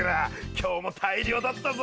今日も大漁だったぞ！